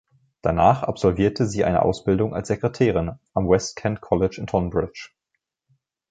Danach absolvierte sie eine Ausbildung als Sekretärin am West Kent College in Tonbridge.